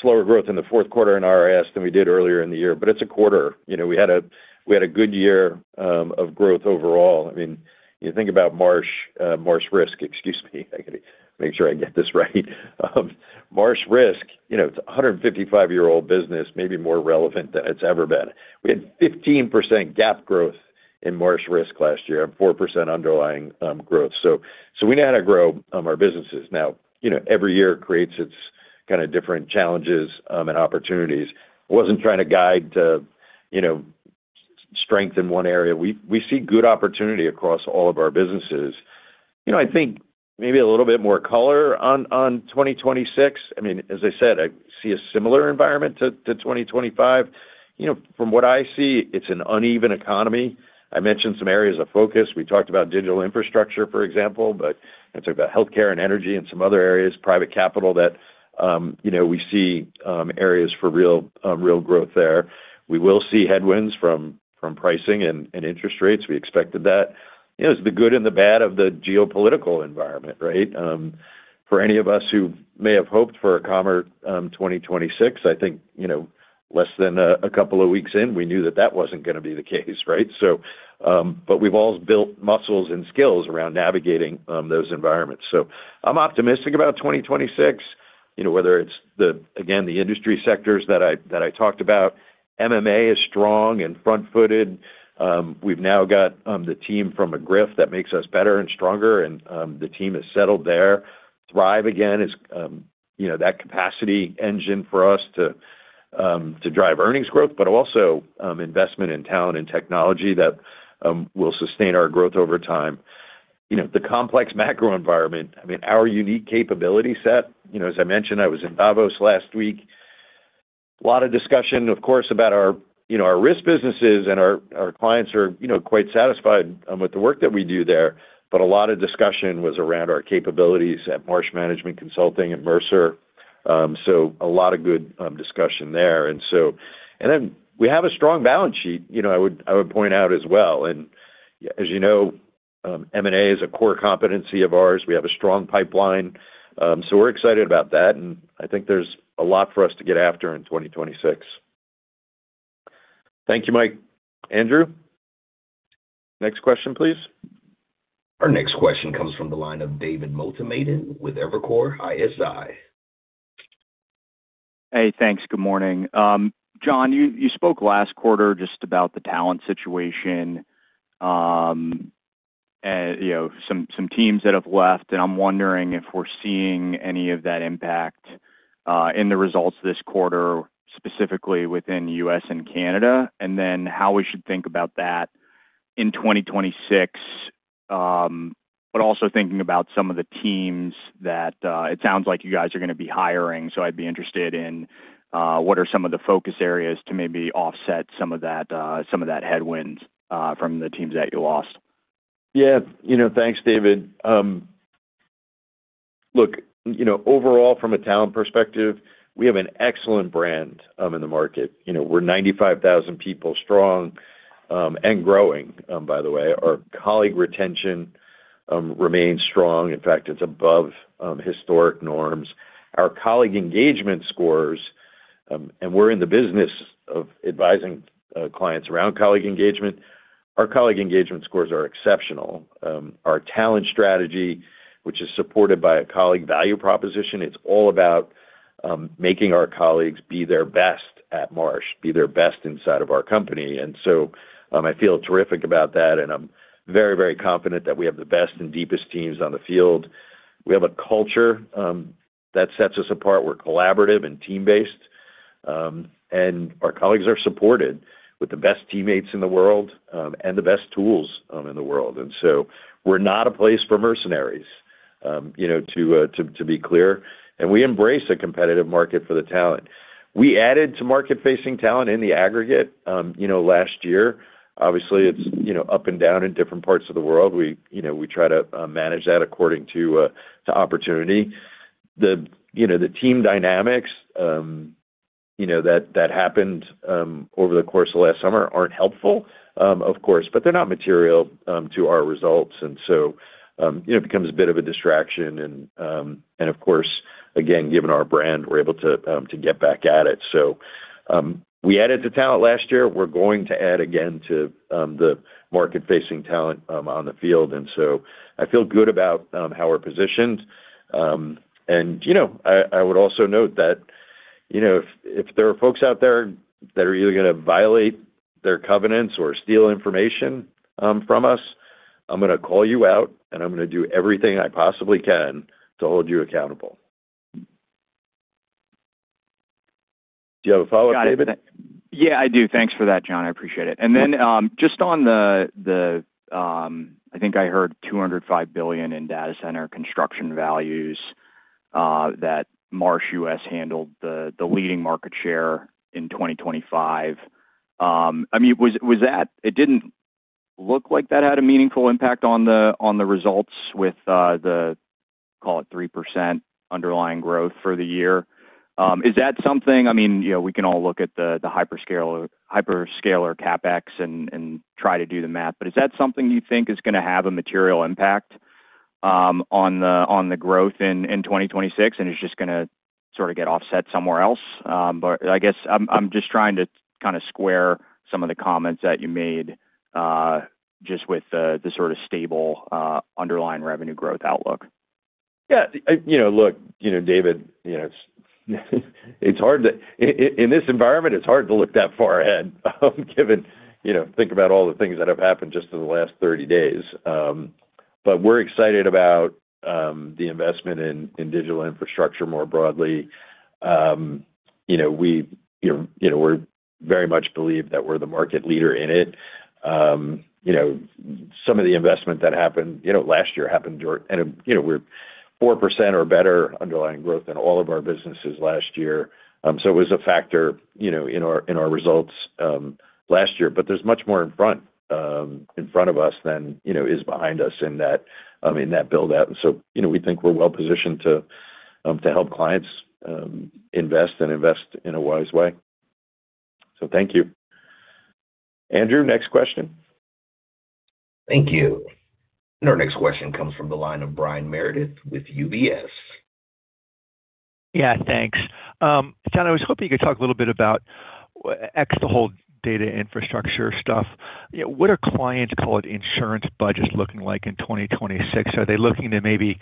slower growth in the fourth quarter in RS than we did earlier in the year, but it's a quarter. You know, we had a good year of growth overall. I mean, you think about Marsh, Marsh Risk, excuse me, I got to make sure I get this right. Marsh Risk, you know, it's a 155-year-old business, maybe more relevant than it's ever been. We had 15% GAAP growth in Marsh Risk last year and 4% underlying growth. So we know how to grow our businesses. Now, you know, every year creates its kind of different challenges and opportunities. Wasn't trying to guide to, you know, strength in one area. We see good opportunity across all of our businesses. You know, I think maybe a little bit more color on 2026. I mean, as I said, I see a similar environment to 2025. You know, from what I see, it's an uneven economy. I mentioned some areas of focus. We talked about digital infrastructure, for example, but I talked about healthcare and energy and some other areas, private capital, that, you know, we see areas for real growth there. We will see headwinds from pricing and interest rates. We expected that. You know, it's the good and the bad of the geopolitical environment, right? For any of us who may have hoped for a calmer 2026, I think, you know, less than a couple of weeks in, we knew that that wasn't going to be the case, right? But we've all built muscles and skills around navigating those environments. So I'm optimistic about 2026. You know, whether it's the, again, the industry sectors that I talked about, MMA is strong and front-footed. We've now got the team from McGriff that makes us better and stronger, and the team has settled there. Thrive, again, is, you know, that capacity engine for us to drive earnings growth, but also, investment in talent and technology that will sustain our growth over time. You know, the complex macro environment, I mean, our unique capability set, you know, as I mentioned, I was in Davos last week. A lot of discussion, of course, about our, you know, our risk businesses and our clients are, you know, quite satisfied with the work that we do there. But a lot of discussion was around our capabilities at Marsh Management Consulting and Mercer. So a lot of good discussion there. And then we have a strong balance sheet, you know, I would, I would point out as well. And as you know, M&A is a core competency of ours. We have a strong pipeline. So we're excited about that, and I think there's a lot for us to get after in 2026. Thank you, Mike. Andrew, next question, please. Our next question comes from the line of David Motemaden with Evercore ISI. Hey, thanks. Good morning. John, you, you spoke last quarter just about the talent situation, you know, some, some teams that have left, and I'm wondering if we're seeing any of that impact in the results this quarter, specifically within U.S. and Canada? And then how we should think about that in 2026, but also thinking about some of the teams that it sounds like you guys are going to be hiring. So I'd be interested in what are some of the focus areas to maybe offset some of that, some of that headwinds from the teams that you lost? Yeah. You know, thanks, David. Look, you know, overall, from a talent perspective, we have an excellent brand in the market. You know, we're 95,000 people strong and growing, by the way. Our colleague retention remains strong. In fact, it's above historic norms. Our colleague engagement scores, and we're in the business of advising clients around colleague engagement. Our colleague engagement scores are exceptional. Our talent strategy, which is supported by a colleague value proposition, it's all about making our colleagues be their best at Marsh, be their best inside of our company. And so, I feel terrific about that, and I'm very, very confident that we have the best and deepest teams on the field. We have a culture that sets us apart. We're collaborative and team-based, and our colleagues are supported with the best teammates in the world, and the best tools in the world. And so we're not a place for mercenaries, you know, to be clear, and we embrace a competitive market for the talent. We added some market-facing talent in the aggregate, you know, last year. Obviously, it's, you know, up and down in different parts of the world. We, you know, we try to manage that according to opportunity. The, you know, the team dynamics, you know, that happened over the course of last summer aren't helpful, of course, but they're not material to our results. And so, you know, it becomes a bit of a distraction. Of course, again, given our brand, we're able to get back at it. So, we added to talent last year. We're going to add again to the market-facing talent on the field, and so I feel good about how we're positioned. And, you know, I would also note that, you know, if there are folks out there that are either going to violate their covenants or steal information from us, I'm going to call you out, and I'm going to do everything I possibly can to hold you accountable. Do you have a follow-up, David? Yeah, I do. Thanks for that, John. I appreciate it. And then, just on the, I think I heard $205 billion in data center construction values that Marsh U.S. handled the leading market share in 2025. I mean, was that—it didn't look like that had a meaningful impact on the results with the call it 3% underlying growth for the year. Is that something? I mean, you know, we can all look at the hyperscale or hyperscaler CapEx and try to do the math, but is that something you think is going to have a material impact on the growth in 2026, and it's just gonna sort of get offset somewhere else? But I guess I'm just trying to kind of square some of the comments that you made, just with the sort of stable underlying revenue growth outlook. Yeah, you know, look, you know, David, you know, it's hard to—in this environment, it's hard to look that far ahead, given, you know, think about all the things that have happened just in the last 30 days. But we're excited about the investment in digital infrastructure more broadly. You know, we, you know, we're very much believe that we're the market leader in it. You know, some of the investment that happened, you know, last year happened during... And, you know, we're 4% or better underlying growth in all of our businesses last year. So it was a factor, you know, in our results last year. But there's much more in front of us than, you know, is behind us in that build-out. So, you know, we think we're well positioned to help clients invest in a wise way. Thank you. Andrew, next question. Thank you. And our next question comes from the line of Brian Meredith with UBS. Yeah, thanks. John, I was hoping you could talk a little bit about what's next, the whole data infrastructure stuff. You know, what are clients' – call it – insurance budgets looking like in 2026? Are they looking to maybe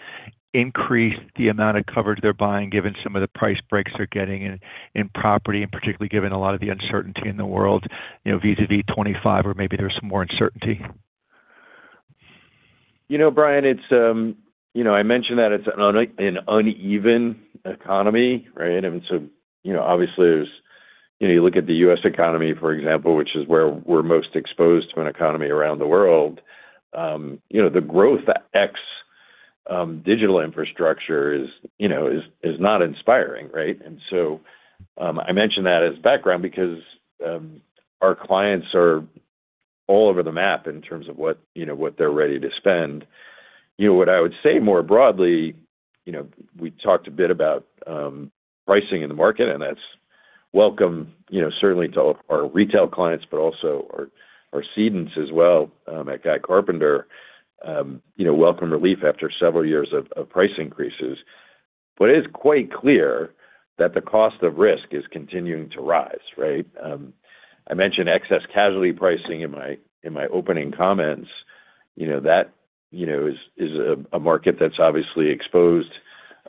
increase the amount of coverage they're buying, given some of the price breaks they're getting in property, and particularly given a lot of the uncertainty in the world, you know, vis-à-vis 2025, or maybe there's some more uncertainty? You know, Brian, it's you know, I mentioned that it's an uneven economy, right? And so, you know, obviously, there's... You know, you look at the U.S. economy, for example, which is where we're most exposed to an economy around the world, you know, the growth ex digital infrastructure is you know, is not inspiring, right? And so, I mention that as background because, our clients are all over the map in terms of what, you know, what they're ready to spend. You know, what I would say more broadly, you know, we talked a bit about pricing in the market, and that's welcome, you know, certainly to all our retail clients, but also our cedents as well, at Guy Carpenter, you know, welcome relief after several years of price increases. But it's quite clear that the cost of risk is continuing to rise, right? I mentioned excess casualty pricing in my opening comments. You know, that you know is a market that's obviously exposed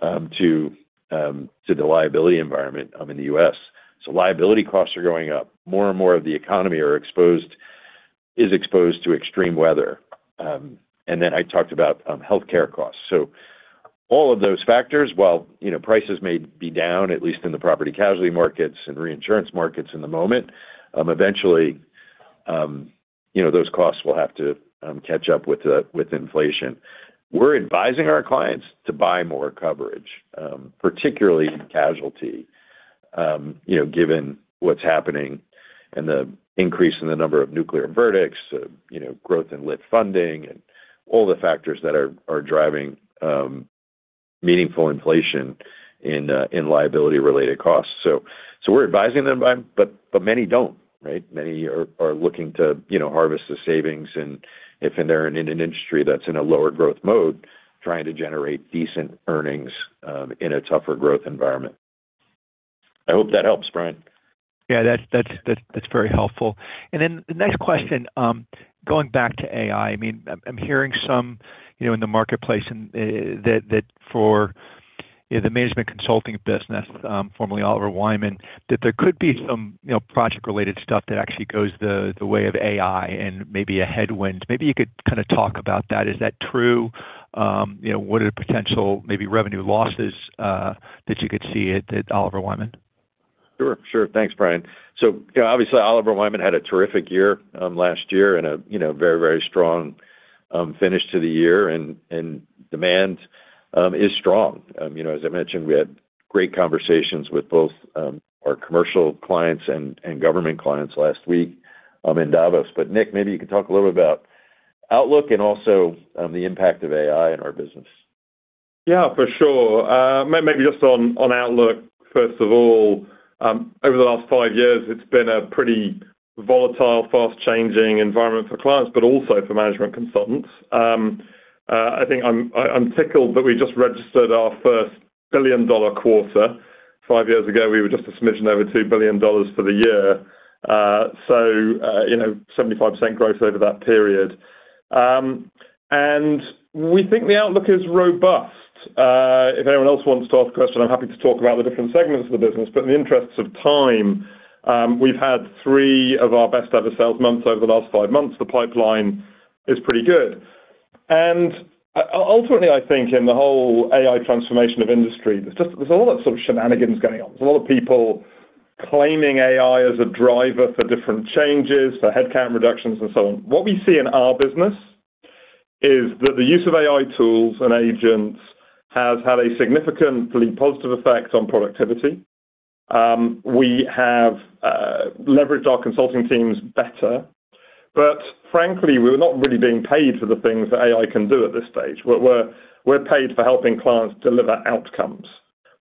to the liability environment in the U.S. So liability costs are going up. More and more of the economy is exposed to extreme weather. And then I talked about healthcare costs. So all of those factors, while you know prices may be down, at least in the property casualty markets and reinsurance markets in the moment, eventually you know those costs will have to catch up with inflation. We're advising our clients to buy more coverage, particularly in casualty. You know, given what's happening and the increase in the number of nuclear verdicts, you know, growth in lit funding, and all the factors that are driving meaningful inflation in liability-related costs. So we're advising them, but many don't, right? Many are looking to, you know, harvest the savings, and if they're in an industry that's in a lower growth mode, trying to generate decent earnings in a tougher growth environment. I hope that helps, Brian. Yeah, that's very helpful. And then the next question, going back to AI, I mean, I'm hearing some, you know, in the marketplace and that for, you know, the management consulting business, formerly Oliver Wyman, that there could be some, you know, project-related stuff that actually goes the way of AI and maybe a headwind. Maybe you could kind of talk about that. Is that true? You know, what are the potential, maybe revenue losses that you could see at Oliver Wyman? Sure, sure. Thanks, Brian. So, you know, obviously, Oliver Wyman had a terrific year last year and, you know, a very, very strong finish to the year, and demand is strong. You know, as I mentioned, we had great conversations with both our commercial clients and government clients last week in Davos. But Nick, maybe you could talk a little bit about outlook and also the impact of AI in our business. Yeah, for sure. Maybe just on outlook, first of all, over the last 5 years, it's been a pretty volatile, fast-changing environment for clients, but also for management consultants. I think I'm tickled that we just registered our first billion-dollar quarter. 5 years ago, we were just a smidgen over $2 billion for the year. So, you know, 75% growth over that period. And we think the outlook is robust. If anyone else wants to ask a question, I'm happy to talk about the different segments of the business, but in the interests of time, we've had 3 of our best ever sales months over the last 5 months. The pipeline is pretty good. Ultimately, I think in the whole AI transformation of industry, there's just, there's a lot of sort of shenanigans going on. There's a lot of people claiming AI as a driver for different changes, for headcount reductions, and so on. What we see in our business is that the use of AI tools and agents has had a significantly positive effect on productivity. We have leveraged our consulting teams better, but frankly, we're not really being paid for the things that AI can do at this stage. We're, we're, we're paid for helping clients deliver outcomes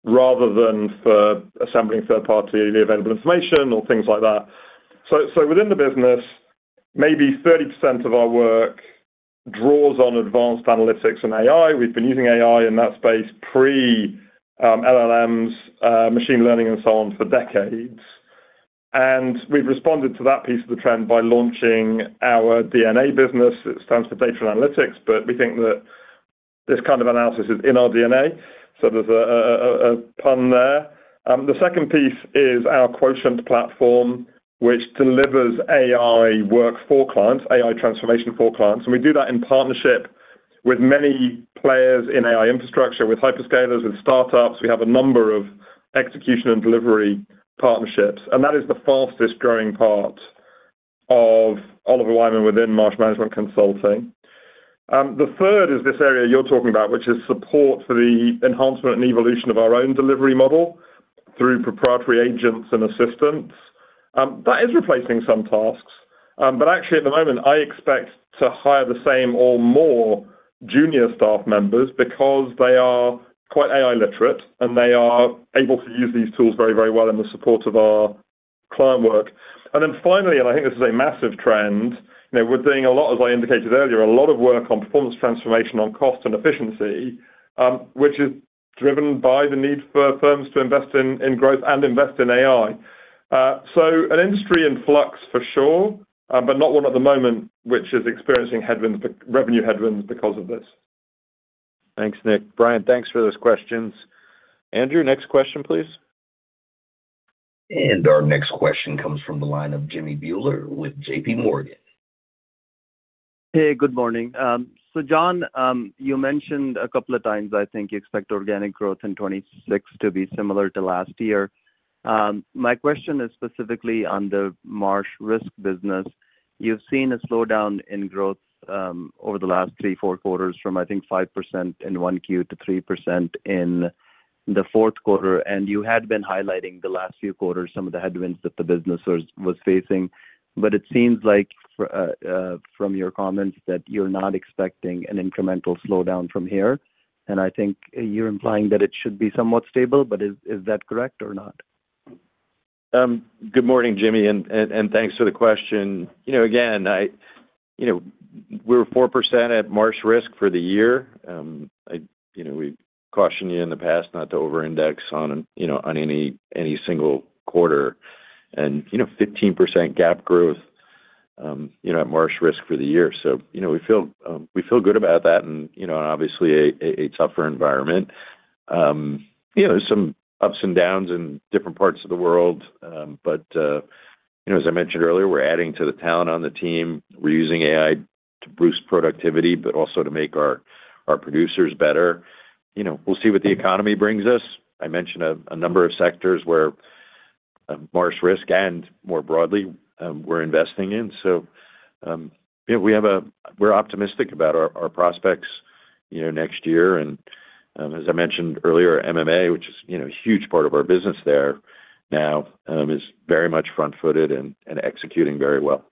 rather than for assembling third-party available information or things like that. So, so within the business, maybe 30% of our work draws on advanced analytics and AI. We've been using AI in that space pre-LLMs, machine learning and so on, for decades. And we've responded to that piece of the trend by launching our DNA business. It stands for data and analytics, but we think that this kind of analysis is in our DNA, so there's a pun there. The second piece is our Quotient platform, which delivers AI work for clients, AI transformation for clients, and we do that in partnership with many players in AI infrastructure, with hyperscalers and startups. We have a number of execution and delivery partnerships, and that is the fastest-growing part of Oliver Wyman within Marsh Management Consulting. The third is this area you're talking about, which is support for the enhancement and evolution of our own delivery model through proprietary agents and assistants. That is replacing some tasks, but actually, at the moment, I expect to hire the same or more junior staff members because they are quite AI literate, and they are able to use these tools very, very well in the support of our client work. And then finally, and I think this is a massive trend, you know, we're doing a lot, as I indicated earlier, a lot of work on performance transformation, on cost and efficiency, which is driven by the need for firms to invest in, in growth and invest in AI. So an industry in flux, for sure, but not one at the moment, which is experiencing headwinds, revenue headwinds because of this. Thanks, Nick. Brian, thanks for those questions. Andrew, next question, please. Our next question comes from the line of Jimmy Bhullar with JPMorgan. Hey, good morning. So John, you mentioned a couple of times, I think, you expect organic growth in 2026 to be similar to last year. My question is specifically on the Marsh Risk business. You've seen a slowdown in growth over the last 3-4 quarters from, I think, 5% in Q1 to 3% in the fourth quarter, and you had been highlighting the last few quarters some of the headwinds that the business was facing. But it seems like from your comments that you're not expecting an incremental slowdown from here, and I think you're implying that it should be somewhat stable, but is that correct or not? Good morning, Jimmy, and thanks for the question. You know, again, you know, we're 4% at Marsh Risk for the year. You know, we've cautioned you in the past not to overindex on, you know, on any single quarter. And, you know, 15% GAAP growth, you know, at Marsh Risk for the year. So, you know, we feel good about that and, you know, obviously a tougher environment. You know, some ups and downs in different parts of the world, but, you know, as I mentioned earlier, we're adding to the talent on the team. We're using AI to boost productivity, but also to make our producers better. You know, we'll see what the economy brings us. I mentioned a number of sectors where-... Marsh Risk and more broadly, we're investing in. So, you know, we're optimistic about our prospects, you know, next year. And, as I mentioned earlier, MMA, which is, you know, a huge part of our business there now, is very much front-footed and executing very well.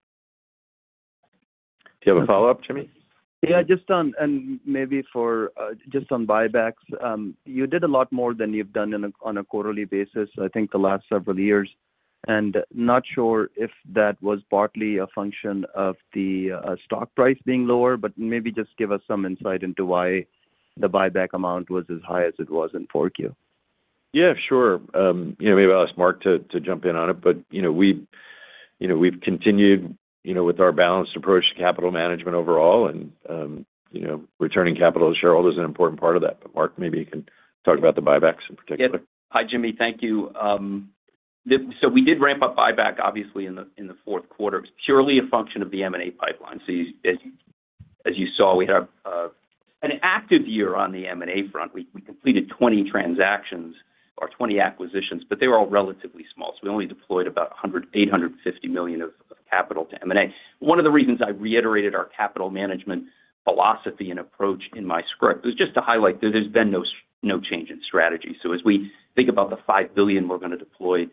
Do you have a follow-up, Jimmy? Yeah, just on, and maybe for, just on buybacks. You did a lot more than you've done on a quarterly basis, I think, the last several years. And not sure if that was partly a function of the stock price being lower, but maybe just give us some insight into why the buyback amount was as high as it was in 4Q. Yeah, sure. You know, maybe I'll ask Mark to jump in on it. But, you know, you know, we've continued, you know, with our balanced approach to capital management overall, and, you know, returning capital to shareholders is an important part of that. But Mark, maybe you can talk about the buybacks in particular. Yep. Hi, Jimmy. Thank you. So we did ramp up buyback, obviously, in the fourth quarter. It's purely a function of the M&A pipeline. So as you saw, we had an active year on the M&A front. We completed 20 transactions or 20 acquisitions, but they were all relatively small, so we only deployed about $850 million of capital to M&A. One of the reasons I reiterated our capital management philosophy and approach in my script, it was just to highlight there has been no change in strategy. As we think about the $5 billion we're going to deploy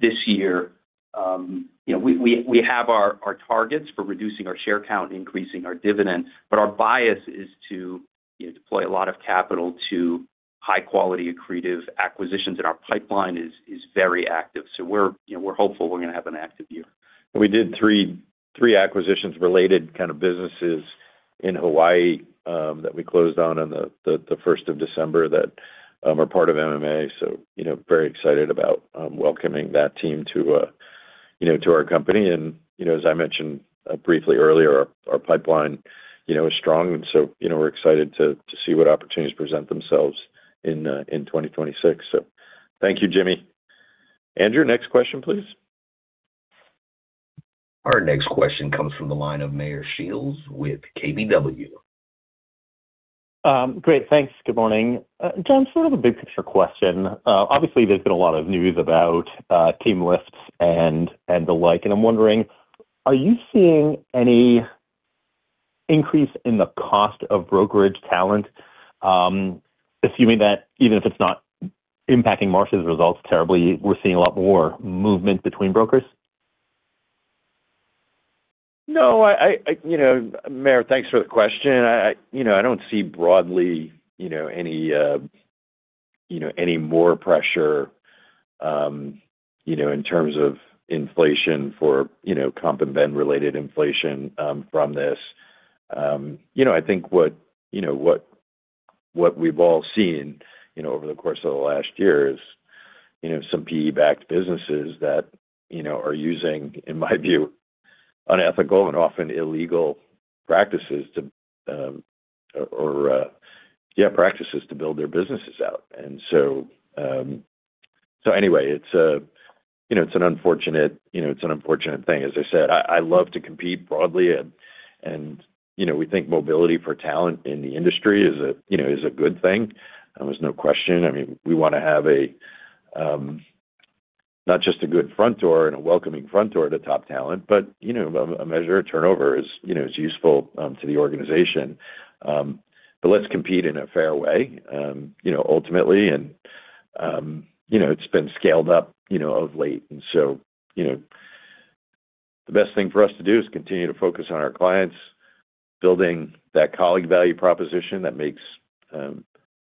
this year, you know, we have our targets for reducing our share count, increasing our dividend, but our bias is to, you know, deploy a lot of capital to high quality, accretive acquisitions, and our pipeline is very active. So we're, you know, hopeful we're going to have an active year. We did three, three acquisitions, related kind of businesses in Hawaii, that we closed on the first of December that are part of MMA. So, you know, very excited about welcoming that team to, you know, to our company. And, you know, as I mentioned briefly earlier, our pipeline, you know, is strong. And so, you know, we're excited to see what opportunities present themselves in 2026. So thank you, Jimmy. Andrew, next question, please. Our next question comes from the line of Meyer Shields with KBW. Great, thanks. Good morning. John, sort of a big picture question. Obviously, there's been a lot of news about team lifts and the like, and I'm wondering, are you seeing any increase in the cost of brokerage talent? Assuming that even if it's not impacting Marsh's results terribly, we're seeing a lot more movement between brokers? No, I you know, Meyer, thanks for the question. I you know, I don't see broadly you know, any more pressure you know, in terms of inflation for you know, comp and ben-related inflation from this. You know, I think what we've all seen you know, over the course of the last year is you know, some PE-backed businesses that you know, are using, in my view, unethical and often illegal practices to build their businesses out. And so, anyway, it's an unfortunate you know, it's an unfortunate thing. As I said, I love to compete broadly and you know, we think mobility for talent in the industry is a you know, is a good thing. There's no question. I mean, we want to have a, not just a good front door and a welcoming front door to top talent, but, you know, a measure of turnover is, you know, is useful, to the organization. But let's compete in a fair way, you know, ultimately, and, you know, it's been scaled up, you know, of late. And so, you know, the best thing for us to do is continue to focus on our clients, building that colleague value proposition that makes,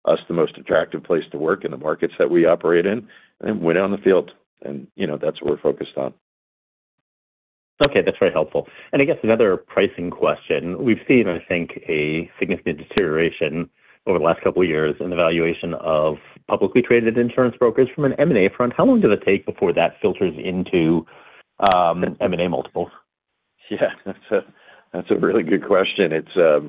us the most attractive place to work in the markets that we operate in, and win on the field. And, you know, that's what we're focused on. Okay, that's very helpful. And I guess another pricing question: We've seen, I think, a significant deterioration over the last couple of years in the valuation of publicly traded insurance brokers from an M&A front. How long did it take before that filters into M&A multiples? Yeah, that's a really good question. It's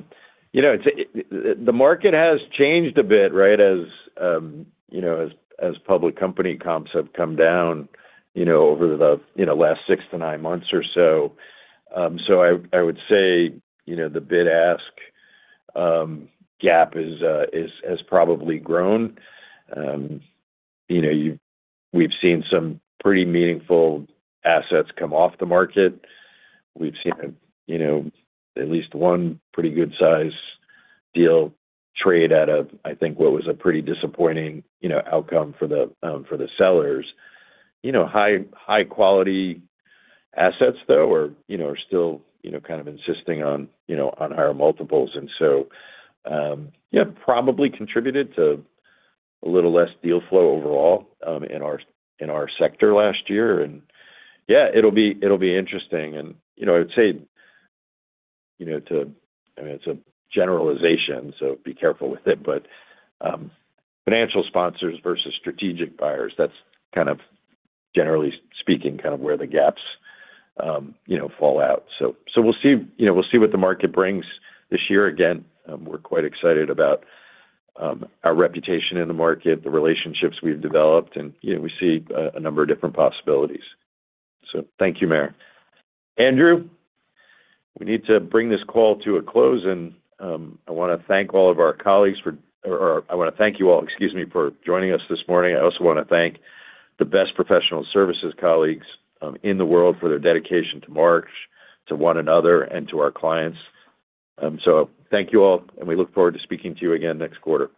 you know, The market has changed a bit, right? As you know, as public company comps have come down, you know, over the you know, last 6-9 months or so. So I would say, you know, the bid-ask gap is has probably grown. You know, we've seen some pretty meaningful assets come off the market. We've seen, you know, at least one pretty good size deal trade at a, I think, what was a pretty disappointing, you know, outcome for the sellers. You know, high quality assets, though, are you know, are still, you know, kind of insisting on, you know, on higher multiples. And so, yeah, probably contributed to a little less deal flow overall, in our sector last year. And yeah, it'll be interesting. And, you know, I would say, you know, I mean, it's a generalization, so be careful with it, but, financial sponsors versus strategic buyers, that's kind of, generally speaking, kind of where the gaps, you know, fall out. So we'll see, you know, we'll see what the market brings this year. Again, we're quite excited about, our reputation in the market, the relationships we've developed, and, you know, we see a number of different possibilities. So thank you, Meyer. Andrew, we need to bring this call to a close, and, I wanna thank all of our colleagues for... Or, I wanna thank you all, excuse me, for joining us this morning. I also wanna thank the best professional services colleagues in the world for their dedication to Marsh, to one another, and to our clients. So thank you all, and we look forward to speaking to you again next quarter.